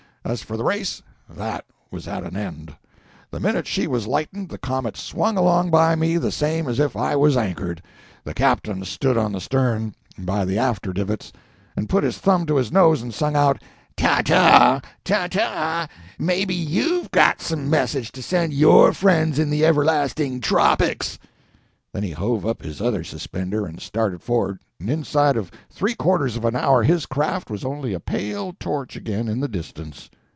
As for the race, that was at an end. The minute she was lightened the comet swung along by me the same as if I was anchored. The captain stood on the stern, by the after davits, and put his thumb to his nose and sung out— "Ta ta! ta ta! Maybe you've got some message to send your friends in the Everlasting Tropics!" Then he hove up his other suspender and started for'ard, and inside of three quarters of an hour his craft was only a pale torch again in the distance.